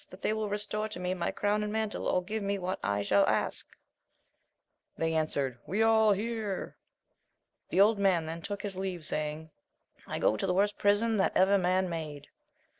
that they will restore to me my crown and mantle, or give me what I shall ask ! They answered, we all hear ! The old man then took his leave, saying, I go to the worst prison that ever man had !